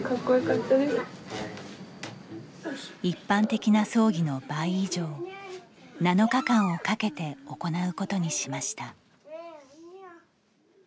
一般的な葬儀の倍以上７日間をかけて行うことにしました。